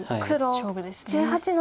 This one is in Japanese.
勝負ですね。